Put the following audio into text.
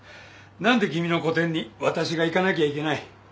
何で君の個展に私が行かなきゃいけない